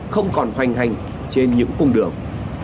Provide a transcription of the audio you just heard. không còn hoành hành trên những cung đường